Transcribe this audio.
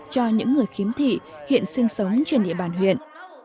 cho những người khiếm thị hiện sinh sống trên địa bàn huyện